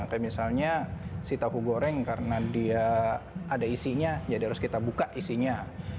kayak misalnya si tahu goreng karena dia ada isinya jadi harus kita buka isinya